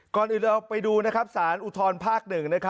ก่อนอื่นเราไปดูสารอุทธรพักหนึ่ง